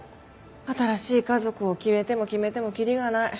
新しい家族を決めても決めてもキリがない。